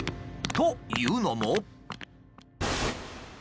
というのも。